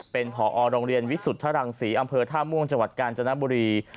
เป็นผอโรงเรียนวิสุทธรรมศรีอำเภอท่าม่วงจราญบุรี